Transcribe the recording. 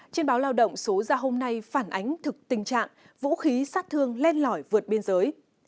trên báo lao động số ra hôm nay phản ánh thực tình trạng vũ khí sát thương lên lõi vượt biên giới